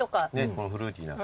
このフルーティーな感じが。